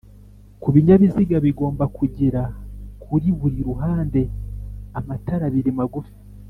Ku binyabiziga bigomba kugira kuri buri ruhande amatara abiri magufi